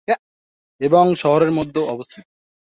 এবং শহরের মধ্যে অবস্থিত।